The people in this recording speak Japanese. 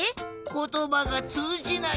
ことばがつうじない。